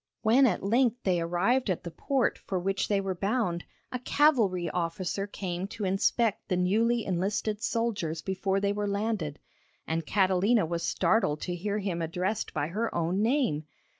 When at length they arrived at the port for which they were bound, a cavalry officer came to inspect the newly enlisted soldiers before they were landed, and Catalina was startled to hear him addressed by her own name.